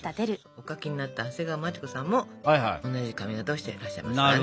お描きになった長谷川町子さんも同じ髪形をしていらっしゃいましたからね。